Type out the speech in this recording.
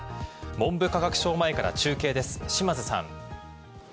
文部科学省前から中継です、島津さん。